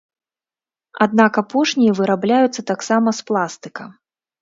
Аднак апошнія вырабляюцца таксама з пластыка.